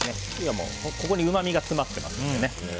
ここにうまみが詰まってますので。